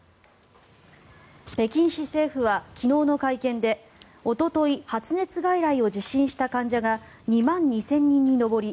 北京市政府は昨日の会見でおととい発熱外来を受診した患者が２万２０００人に上り